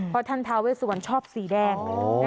เพราะท่านทาเวสวันชอบสีแดง